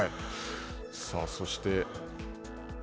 さあそして。